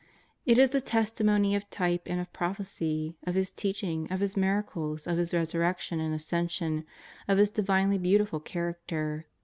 It is the testimony of type and of prophecy, of His teaching, of His miracles, of His Resurrection and Ascension, of His divinely beautiful Character.